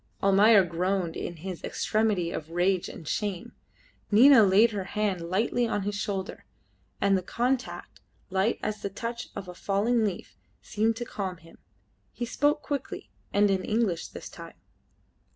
Almayer groaned in his extremity of rage and shame. Nina laid her hand lightly on his shoulder, and the contact, light as the touch of a falling leaf, seemed to calm him. He spoke quickly, and in English this time.